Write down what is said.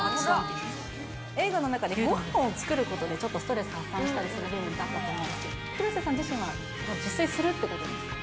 映画の中で、ごはんを作ることでちょっとストレス発散したりするところがあったと思うんですけど、広瀬さん自身は、自炊するってことですか？